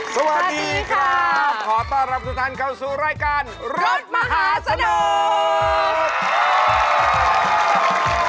สวัสดีครับขอต้อนรับทุกท่านเข้าสู่รายการรถมหาสนุก